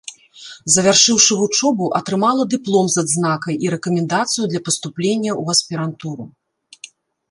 Завяршыўшы вучобу, атрымала дыплом з адзнакай і рэкамендацыю для паступлення ў аспірантуру.